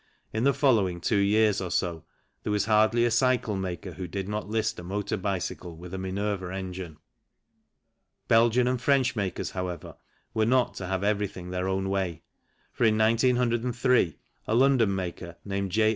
In the following two years or so there was hardly a cycle maker who did not list a motor bicycle with a Minerva engine. Belgian and French 108 THE CYCLE INDUSTRY makers, however, were not to have everything their own way, for in 1903, a London maker, named J.